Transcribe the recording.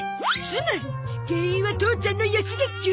つまり原因は父ちゃんの安月給？